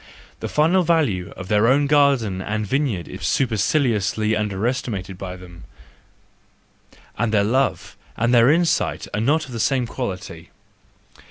The final value of their own garden and vineyard is superciliously under¬ estimated by them, and their love and their insight are not of the same quality.